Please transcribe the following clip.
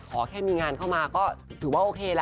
ขอแค่มีงานเข้ามาก็ถือว่าโอเคละ